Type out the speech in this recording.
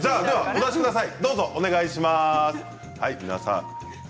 出してください。